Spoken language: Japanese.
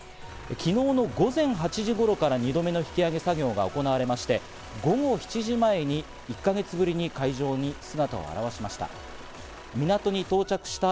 昨日の午前８時頃から２度目の引き揚げ作業が行われまして、午後７時前に１か月ぶりに海上に姿を現しました。